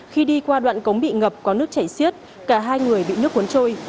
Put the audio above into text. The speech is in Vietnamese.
khi đi qua đoạn cống bị ngập có nước chảy xiết cả hai người bị nước cuốn trôi